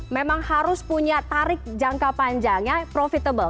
memang harus punya tarik jangka panjangnya profitable